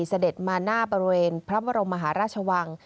เสด็จมาหน้าบริเวณพระบรมมหาราชวัง